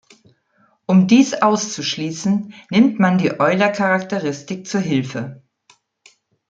Um dies auszuschließen, nimmt man die Euler-Charakteristik zu Hilfe.